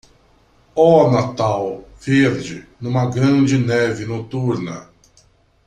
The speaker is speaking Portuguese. Oh Natal, verde, numa grande neve noturna.